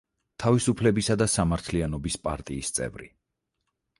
თავისუფლებისა და სამართლიანობის პარტიის წევრი.